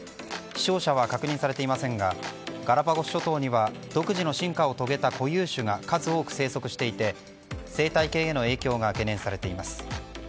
死傷者は確認されていませんがガラパゴス諸島には独自の進化を遂げた固有種が数多く生息していて生態系への影響が懸念されています。